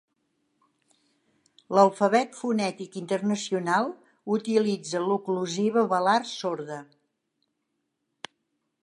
L'alfabet fonètic internacional utilitza l'oclusiva velar sorda.